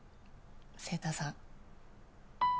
晴太さん